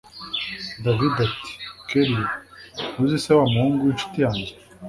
davide ati kellia, ntuzi se wamuhungu winshuti yanjye